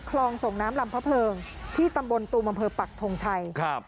คลองส่งน้ำลำพระเพลิงที่ตำบลตูมอำเภอปักทงชัยครับ